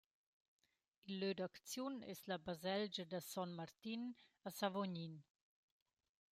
Il lö d’acziun es la baselgia da Son Martin a Savognin.